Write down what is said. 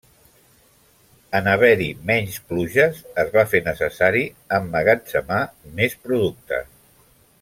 En haver-hi menys pluges es va fer necessari emmagatzemar més productes.